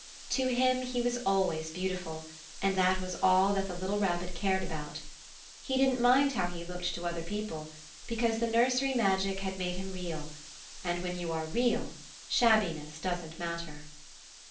To him he was always beautiful, and that was all that the little Rabbit cared about. He didn't mind how he looked to other people, because the nursery magic had made him Real, and when you are Real shabbiness doesn't matter.